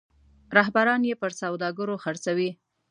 رهبران یې پر سوداګرو خرڅوي.